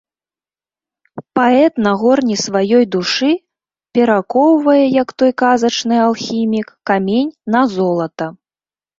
Паэт на горне сваёй душы перакоўвае, як той казачны алхімік, камень на золата.